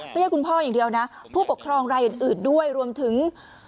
ไม่ใช่คุณพ่ออย่างเดียวนะผู้ปกครองรายอื่นด้วยรวมถึง